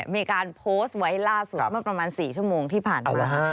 มีการโพสต์ไว้ล่าสุดเมื่อประมาณ๔ชั่วโมงที่ผ่านมา